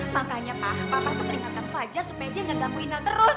makanya pak bapak tuh teringatkan fajar supaya dia gak gamu inel terus